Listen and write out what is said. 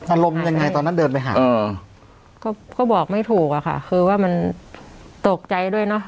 อารมณ์ยังไงตอนนั้นเดินไปหาก็ก็บอกไม่ถูกอะค่ะคือว่ามันตกใจด้วยเนอะ